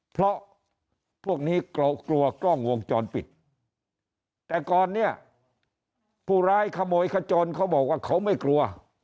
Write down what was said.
เพราะพวกนี้กลัวกล้องวงจรปิดแต่ก่อนเนี่ยผู้ร้ายขโมยขจนเขาบอกว่าเขาไม่กลัว